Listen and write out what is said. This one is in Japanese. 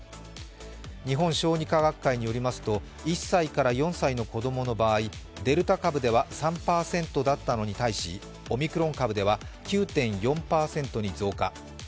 日本小児科学会によりますと、１歳から４歳の子供の場合デルタ株では３％だったのに対しオミクロン株では９．４％に増加。